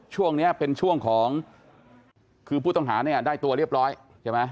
ช่วงนี้เป็นช่วงของคือผู้ต้องหาเนี่ยได้ตัวเรียบร้อยใช่ไหม